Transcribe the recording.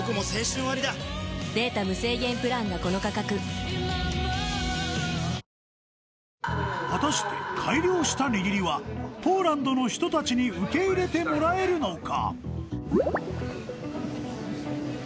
新「ＥＬＩＸＩＲ」果たして改良したにぎりはポーランドの人たちに受け入れてもらえるのか？